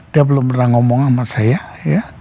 dia belum pernah ngomong sama saya ya